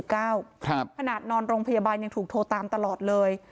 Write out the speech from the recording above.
ขนาดนอนโรงพยาบาลยังถูกโทรตามตลอดเลย